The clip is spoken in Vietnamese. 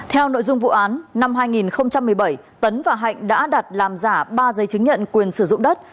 theo nội dung vụ án năm hai nghìn một mươi bảy tấn và hạnh đã đặt làm giả ba giấy chứng nhận quyền sử dụng đất